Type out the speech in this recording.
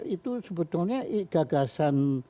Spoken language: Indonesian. itu sebetulnya gagasan